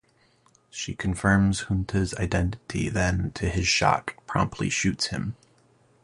She confirms Junta's identity, then, to his shock, promptly shoots him.